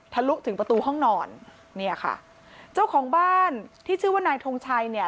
ลุถึงประตูห้องนอนเนี่ยค่ะเจ้าของบ้านที่ชื่อว่านายทงชัยเนี่ย